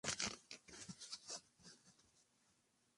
Regresa a la zona sublevada.